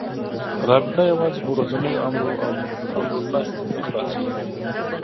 رابطه یوازې په ورځنيو امر و نهيو نه خلاصه کېږي.